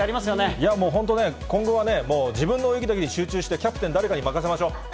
いやもう本当にね、今後は自分の泳ぎだけに集中して、キャプテン、誰かに任せましょう。